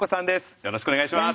よろしくお願いします。